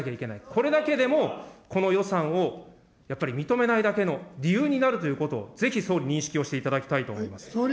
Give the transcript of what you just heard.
これだけでもこの予算をやっぱり認めないだけの理由になるということ、ぜひ総理、認識をしていただきたいと思います。